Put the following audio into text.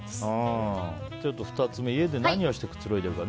２つ目家で何をしてくつろいでるか。